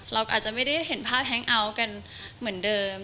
เราก็อาจจะไม่ได้เห็นภาพแฮงเอาท์กันเหมือนเดิม